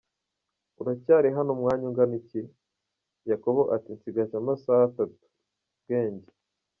uracyari hano umwanya ungana iki? Yakobo ati nsigaje amasaha atatu, Bwenge.